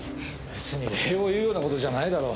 別に礼を言うような事じゃないだろ。